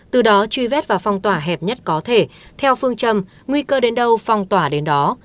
từ đó truy vết và phong tỏa hẹp nhất có thể theo phương châm nguy cơ đến đâu phong tỏa đến đó